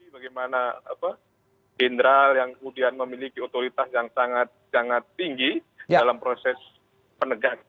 bagaimana general yang kemudian memiliki otoritas yang sangat sangat tinggi dalam proses penegakan